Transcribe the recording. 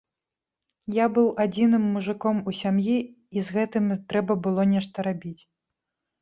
Я быў адзіным мужыком у сям'і, і з гэтым трэба было нешта рабіць.